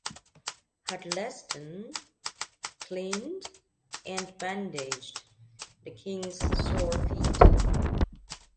Huddleston cleaned and bandaged the King's sore feet.